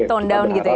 tone down gitu ya